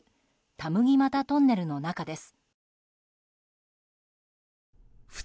田麦俣トンネルの中です。